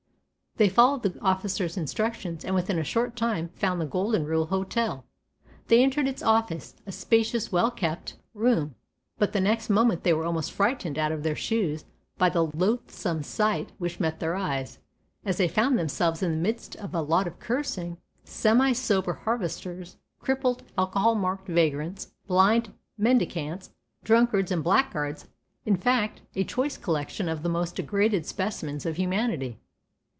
They followed the officer's instructions, and within a short time found the "Golden Rule Hotel". They entered its office, a spacious well kept room, but the next moment they were almost frightened out of their shoes by the loathsome sight which met their eyes, as they found themselves in the midst of a lot of cursing, semi sober harvesters; crippled, alcohol marked vagrants; blind mendicants; drunkards and blackguards, in fact a choice collection of the most degraded specimens of humanity.